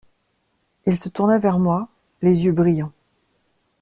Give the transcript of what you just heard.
Il se tourna vers moi, les yeux brillants.